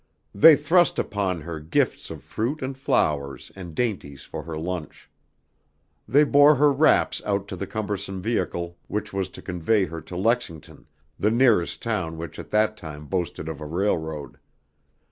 They thrust upon her gifts of fruit and flowers and dainties for her lunch. They bore her wraps out to the cumbersome vehicle which was to convey her to Lexington, the nearest town which at that time boasted of a railroad.